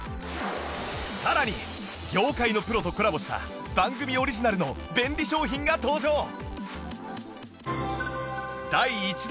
さらに業界のプロとコラボした番組オリジナルの便利商品が登場！